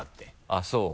あっそう？